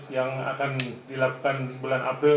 yang akan dilakukan di bulan akhir ini